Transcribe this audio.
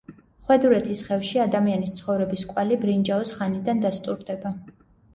ხვედურეთის ხევში ადამიანის ცხოვრების კვალი ბრინჯაოს ხანიდან დასტურდება.